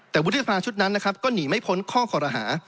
แต่วุฒิสภาชุดนั้นนะครับก็หนีไม่พ้นข้อคอรหา